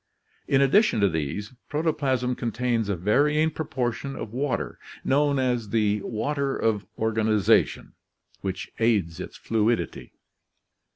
In addition to these, pro toplasm contains a varying proportion of water, known as the "water of organization," which aids its fluidity.